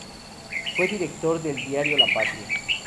Fue director del diario "La Patria".